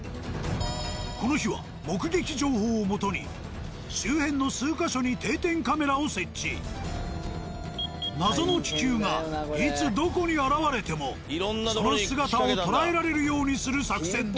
この日は目撃情報を基に周辺の数か所に謎の気球がいつどこに現れてもその姿を捉えられるようにする作戦だ。